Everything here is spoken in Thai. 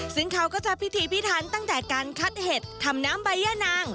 ซึ่งเขาก็จะพิธีพิทันตั้งแต่การคัดเห็ดทำน้ำใบย่านาง